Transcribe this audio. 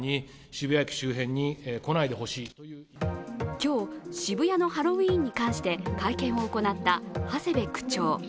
今日、渋谷のハロウィーンに関して会見を行った長谷部区長。